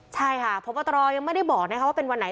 ใช่ค่ะพบตรยังไม่ได้บอกว่าเป็นวันไหน